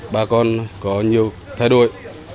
bà con có nhiều thay đổi